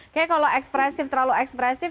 kayaknya kalau ekspresif terlalu ekspresif